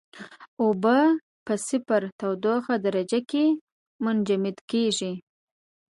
اوبه په صفر تودوخې درجه کې منجمد کیږي.